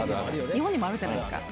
日本にもあるじゃないですか。